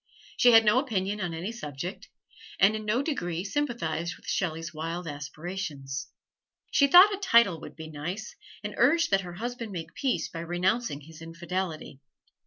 She had no opinion on any subject, and in no degree sympathized with Shelley's wild aspirations. She thought a title would be nice, and urged that her husband make peace by renouncing his "infidelity."